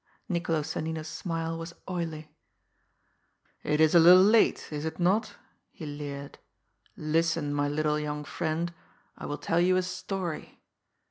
Niccolo Sonnino's smile was oily. "It is a little late, is it not?" he leered. "Listen, my little young friend; I will tell you a story.